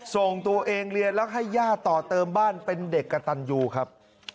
ส่งตัวเองเรียนแล้วให้ย่าต่อเติมบ้านเป็นเด็กกระตันยูครับ